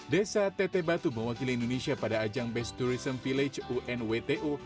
desa teteh batu mewakili indonesia pada ajang best tourism village unwto